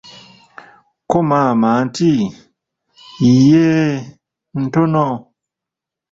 Ko maama nti, yeee, ntono.